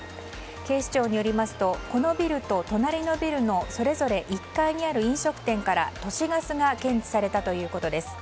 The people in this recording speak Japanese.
警視庁によりますとこのビルと隣のビルのそれぞれ１階にある飲食店から都市ガスが検知されたということです。